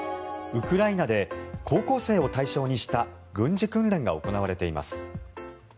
ウクライナで高校生を対象にした軍事訓練が行われています。